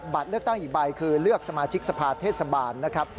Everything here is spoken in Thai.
เลือกตั้งอีกใบคือเลือกสมาชิกสภาเทศบาลนะครับ